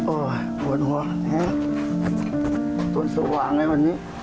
โอ้ยฝนหัวต้นสว่างเลยวันนี้